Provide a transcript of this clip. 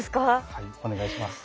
はいお願いします。